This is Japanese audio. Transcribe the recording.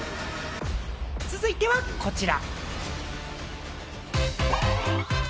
続いてはこちら。